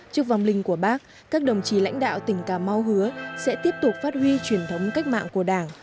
trước vòng linh của bác các đồng chí lãnh đạo tỉnh cà mau hứa sẽ tiếp tục phát huy truyền thống cách mạng của đảng